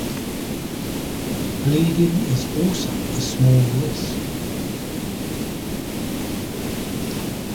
Bleeding is also a small risk.